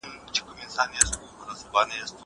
زه له سهاره سیر کوم!